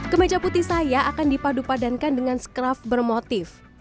kemeja putih saya akan dipadupadankan dengan skraf bermotif